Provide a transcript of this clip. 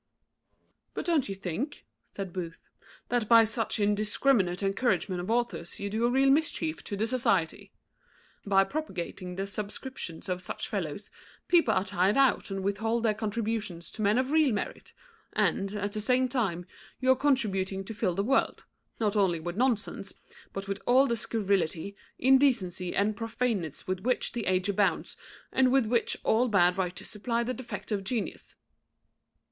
"But don't you think," said Booth, "that by such indiscriminate encouragement of authors you do a real mischief to the society? By propagating the subscriptions of such fellows, people are tired out and withhold their contributions to men of real merit; and, at the same time, you are contributing to fill the world, not only with nonsense, but with all the scurrility, indecency, and profaneness with which the age abounds, and with which all bad writers supply the defect of genius."